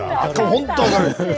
本当明るい。